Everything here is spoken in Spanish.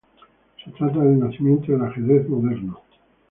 Se trata del nacimiento del ajedrez moderno.